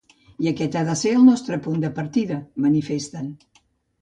I aquest ha de ser el nostre punt de partida, manifesten.